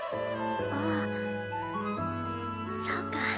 ああそうか